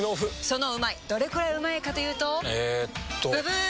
そのうまいどれくらいうまいかというとえっとブブー！